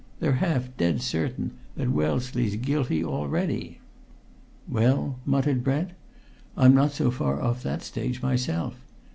They're half dead certain that Wellesley's guilty already!" "Well?" muttered Brent. "I'm not so far off that stage myself.